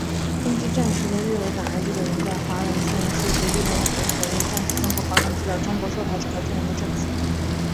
依据战时的日伪档案、日本人在华文献和书籍、日军老兵回忆、战时中国报刊资料、中国受害者和证人的证词